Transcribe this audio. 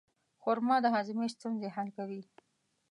خرما د هاضمې ستونزې حل کوي.